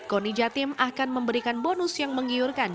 koni jatim akan memberikan bonus yang menggiurkan